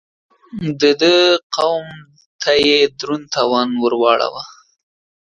د ده قوم ته يې دروند تاوان ور واړاوه.